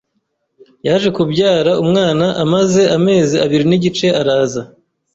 yaje kubyara umwana amaze amezi abiri n’igice araza